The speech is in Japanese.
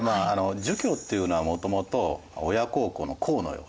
儒教っていうのはもともと親孝行の「孝」のようなですね